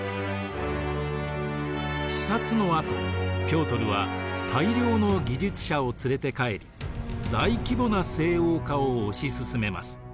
視察のあとピョートルは大量の技術者を連れて帰り大規模な西欧化を推し進めます。